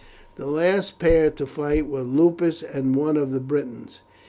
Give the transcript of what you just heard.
The last pair to fight were Lupus and one of the Britons.